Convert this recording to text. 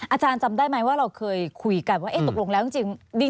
อาจารย์จำได้ไหมว่าเราเคยคุยกันว่าตกลงแล้วจริง